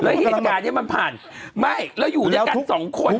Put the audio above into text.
แล้วเหตุการณ์นี้มันผ่านไม่แล้วอยู่ด้วยกันสองคน